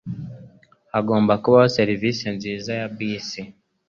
Hagomba kubaho serivisi nziza ya bisi.